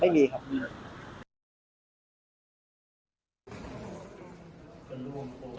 ไม่มีครับ